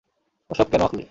ওসব কেন আঁকলি?